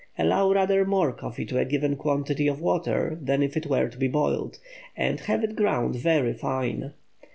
Allow rather more coffee to a given quantity of water than if it were to be boiled, and have it ground very fine.